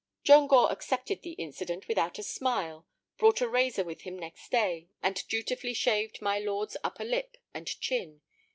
John Gore accepted the incident without a smile, brought a razor with him next day, and dutifully shaved my lord's upper lip and chin.